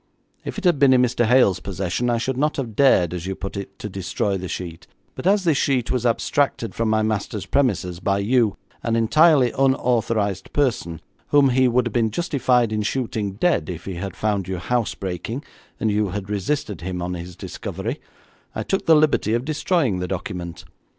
If it had been in Mr. Hale's possession I should not have dared, as you put it, to destroy the sheet, but as this sheet was abstracted from my master's premises by you, an entirely unauthorised person, whom he would have been justified in shooting dead if he had found you housebreaking and you had resisted him on his discovery, I took the liberty of destroying the document.